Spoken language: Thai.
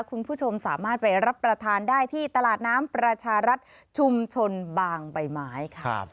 คุณผู้ชมสามารถไปรับประทานได้ที่ตลาดน้ำประชารัฐชุมชนบางใบไม้ค่ะ